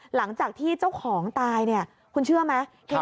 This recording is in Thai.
หลังจากที่เจ้าของตายเนี่ยคุณเชื่อไหม